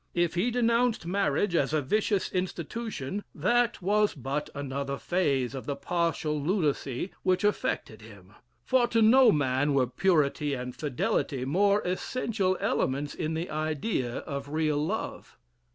"If he denounced marriage as a vicious institution, that was but another phase of the partial lunacy which affected him: for to no man were purity and fidelity more essential elements in the idea of real love.